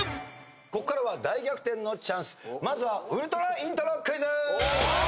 ここからは大逆転のチャンスまずはウルトライントロクイズ！